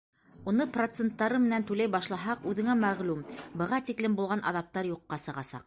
Уны проценттары менән түләй башлаһаҡ, үҙеңә мәғлүм, быға тиклем булған аҙаптар юҡҡа сығасаҡ.